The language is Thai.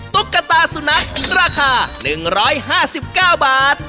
ตุ๊กตาสุนัขราคา๑๕๙บาท